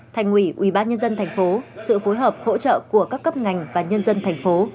thành ủy ubnd thành phố sự phối hợp hỗ trợ của các cấp ngành và nhân dân thành phố